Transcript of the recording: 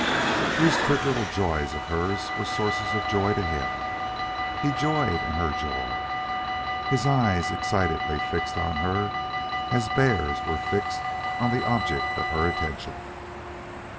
These quick little joys of hers were sources of joy to him. He joyed in her joy, his eyes as excitedly fixed on her as hers were fixed on the object of her attention.